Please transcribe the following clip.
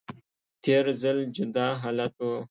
تیر ځل جدا حالت و